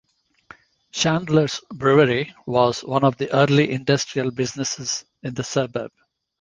Chandler's Brewery was one of the early industrial business' in the suburb.